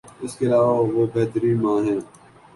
اس کے علاوہ وہ بہترین ماں ہیں